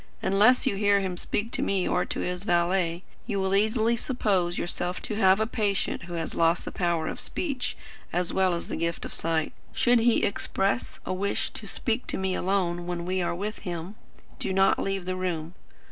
Unless you hear him speak to me or to his valet, you will easily suppose yourself to have a patient who has lost the power of speech as well as the gift of sight. Should he express a wish to speak to me alone when we are with him, do not leave the room.